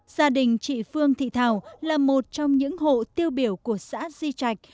gia đình chị phương thị thảo là một trong những hộ tiêu biểu của xã di trạch